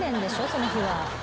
その日は。